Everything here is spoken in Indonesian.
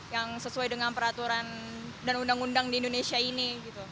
yang sesuai dengan peraturan dan undang undang di indonesia ini